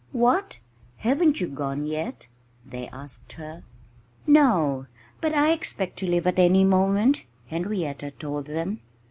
"What! Haven't you gone yet?" they asked her. "No! But I expect to leave at any moment," Henrietta told them.